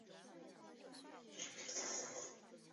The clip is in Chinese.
自发参量下转换已成为现今最常用的实验方法之一。